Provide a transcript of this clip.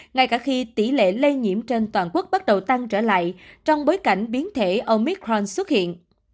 nên toàn quốc bắt đầu tăng trở lại trong bối cảnh biến thể omicron xuất hiện